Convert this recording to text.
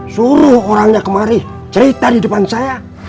suruh orangnya kemari cerita di depan saya